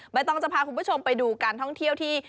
ต้องจะพาคุณผู้ชมไปดูการท่องเที่ยวที่